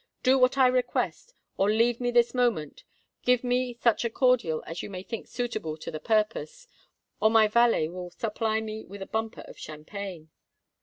"Do what I request—or leave me this moment: give me such a cordial as you may think suitable to the purpose—or my valet will supply me with a bumper of champagne."